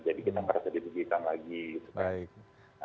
jadi kita nggak rasa ditugikan lagi gitu kan